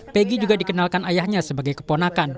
pegi juga dikenalkan ayahnya sebagai keponakan